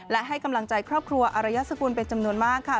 และให้กำลังใจครอบครัวอารยสกุลเป็นจำนวนมากค่ะ